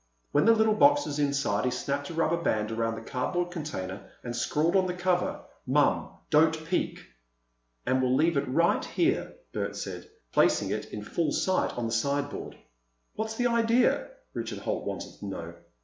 When the little box was inside, he snapped a rubber band around the cardboard container and scrawled on the cover "Mom—Don't peek!" "And we'll leave it right here," Bert said, placing it in full sight on the sideboard. "What's the idea?" Richard Holt wanted to know.